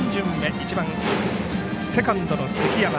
１番セカンドの関山。